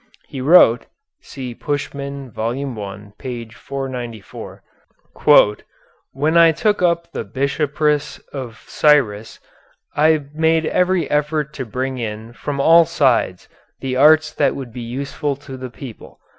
He wrote (see Puschmann, Vol. I., p. 494): "When I took up the Bishopric of Cyrus I made every effort to bring in from all sides the arts that would be useful to the people.